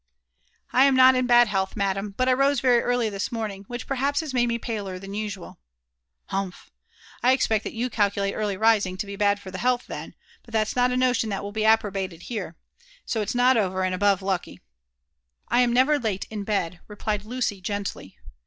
'<I am not in bad health, madam; but I rose very early this morning, which has perhaps made me paler than usual." *' Humph I I expect that you calculate early rising to be bad for the health, then : but that's not a notion that will be approbated here ; so it's not over and above lucky." " I am never late in bed," replied Lucy gently.